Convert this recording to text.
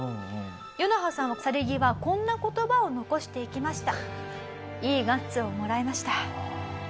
ヨナハさんは去り際こんな言葉を残していきました。